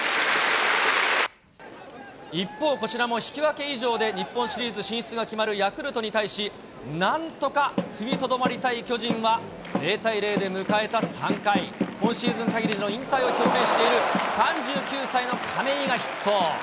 一方、こちらも引き分け以上で、日本シリーズ進出が決まるヤクルトに対し、なんとか踏みとどまりたい巨人は、０対０で迎えた３回、今シーズンかぎりの引退を表明している、３９歳の亀井がヒット。